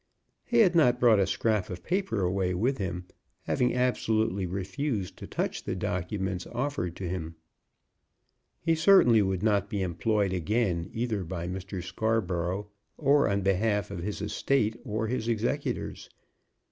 He had not brought a scrap of paper away with him, having absolutely refused to touch the documents offered to him. He certainly would not be employed again either by Mr. Scarborough or on behalf of his estate or his executors.